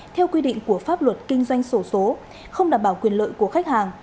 theo quy định của pháp luật kinh doanh sổ số không đảm bảo quyền lợi của khách hàng